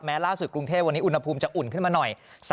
ล่าสุดกรุงเทพวันนี้อุณหภูมิจะอุ่นขึ้นมาหน่อย